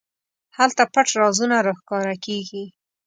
هلته پټ رازونه راښکاره کېږي.